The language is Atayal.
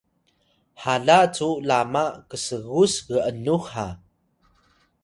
hala cu lama ksgus g’nux ha